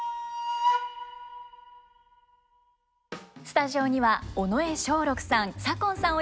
スタジオには尾上松緑さん左近さん